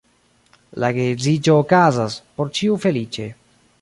La geedziĝo okazas, por ĉiu feliĉe.